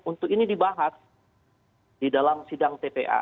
untuk ini dibahas di dalam sidang tpa